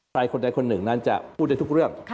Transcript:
ใครคนใดคนหนึ่งนั้นจะพูดได้ทุกเรื่อง